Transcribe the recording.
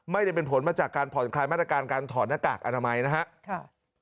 ไม่ได้เป็นผลมาจากการผ่อนคลายมาตรการการถอดหน้ากากอนามัยนะครับ